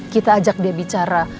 kita ajak dia bicara